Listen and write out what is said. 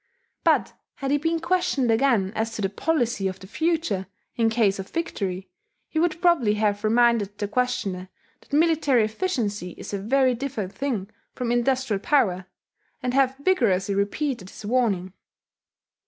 But had he been questioned again as to the policy of the future, in case of victory, he would probably have reminded the questioner that military efficiency is a very different thing from industrial power, and have vigorously repeated his warning.